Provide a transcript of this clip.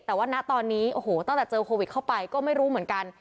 แต่ว่าณตอนนี้โอ้โหตั้งแต่เจอโควิดเข้าไปก็ไม่รู้เหมือนกัน